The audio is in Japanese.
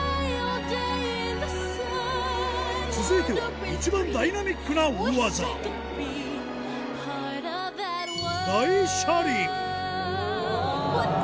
続いては一番ダイナミックな大技おぉ！